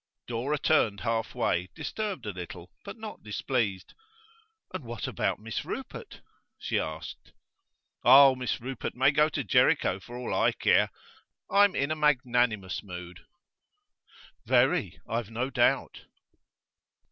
Dora turned half away, disturbed a little, but not displeased. 'And what about Miss Rupert?' she asked. 'Oh, Miss Rupert may go to Jericho for all I care. I'm in a magnanimous mood.' 'Very, I've no doubt.